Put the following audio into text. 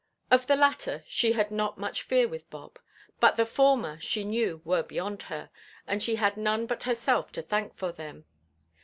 Of the latter she had not much fear with Bob; but the former, she knew, were beyond her, and she had none but herself to thank for them.